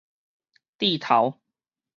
蒂頭